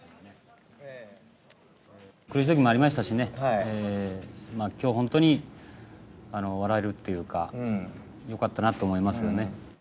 苦しいときもありましたしね、きょう本当に笑えるというか、よかったなと思いますよね。